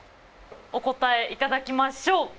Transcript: お答えいただきましょう。